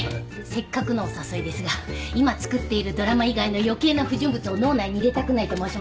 せっかくのお誘いですが今作っているドラマ以外の余計な不純物を脳内に入れたくないと申しますか。